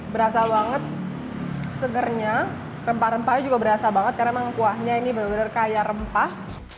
berasa banget segernya rempah rempahnya juga berasa banget karena memang kuahnya ini benar benar kaya rempah